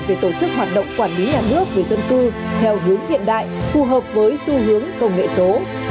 về tổ chức hoạt động quản lý nhà nước về dân cư theo hướng hiện đại phù hợp với xu hướng công nghệ số